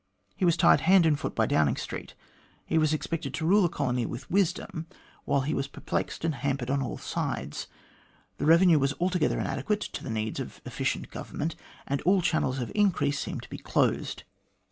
He was tied hand and foot by Downing Street. He was expected to rule the colony with wisdom, while he was perplexed and hampered on all sides. The revenue was altogether inadequate to the needs of efficient government, and all channels of increase seemed to be closed.